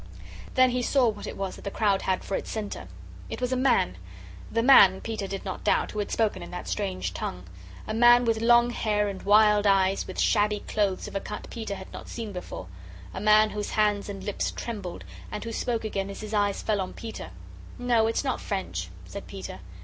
Then he saw what it was that the crowd had for its centre. It was a man the man, Peter did not doubt, who had spoken in that strange tongue. A man with long hair and wild eyes, with shabby clothes of a cut Peter had not seen before a man whose hands and lips trembled, and who spoke again as his eyes fell on Peter. "No, it's not French," said Peter.